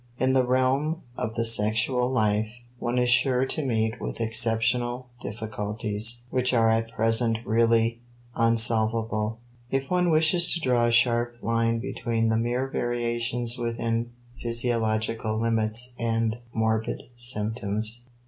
In the realm of the sexual life one is sure to meet with exceptional difficulties which are at present really unsolvable, if one wishes to draw a sharp line between the mere variations within physiological limits and morbid symptoms.